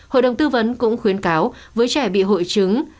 hội đồng tư vấn cũng khuyến cáo với trẻ bị hội chứng